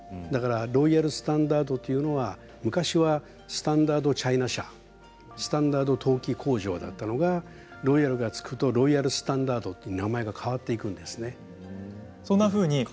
ロイヤルスタンダードというのは、昔はスタンダードチャイナ社スタンダード陶器工場だったのがロイヤルがつくとロイヤルスタンダードと名前が変わっていくんです。